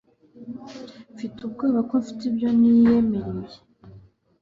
Mfite ubwoba ko mfite ibyo niyemereye.